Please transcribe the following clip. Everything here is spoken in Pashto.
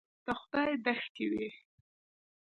د خدای دښتې وې.